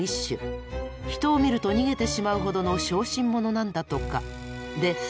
人を見ると逃げてしまうほどの小心者なんだとか。